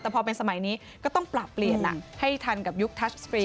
แต่พอเป็นสมัยนี้ก็ต้องปรับเปลี่ยนให้ทันกับยุคทัศตรี